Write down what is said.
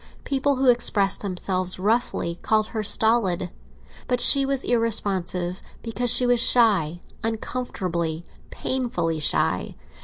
People who expressed themselves roughly called her stolid. But she was irresponsive because she was shy, uncomfortably, painfully shy.